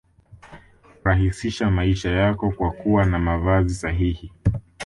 Rahisisha maisha yako kwa kuwa na mavazi sahihi